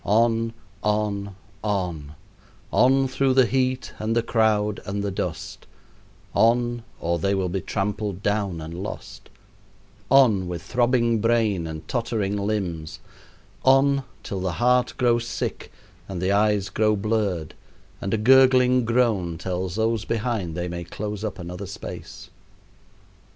On, on, on on through the heat and the crowd and the dust on, or they will be trampled down and lost on, with throbbing brain and tottering limbs on, till the heart grows sick, and the eyes grow blurred, and a gurgling groan tells those behind they may close up another space.